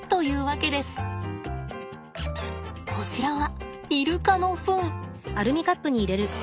こちらはイルカのフン。